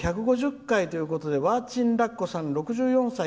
１５０回ということでわーちんらっこさん、６５歳。